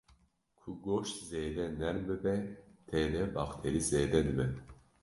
ku goşt zêde nerm bibe tê de bakterî zêde dibe